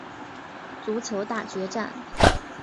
足球大决战！